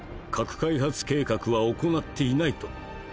核開発計画は行っていないと。